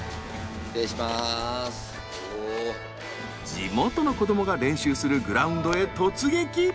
地元の子どもが練習するグラウンドへ突撃！